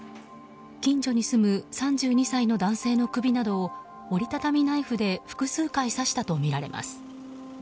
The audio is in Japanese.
近所に住む３２歳の男性の首などを折り畳みナイフで複数回、刺したとみられます。